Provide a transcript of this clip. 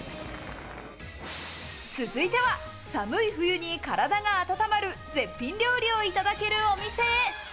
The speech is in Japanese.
続いては、寒い冬に体が温まる絶品料理をいただけるお店へ。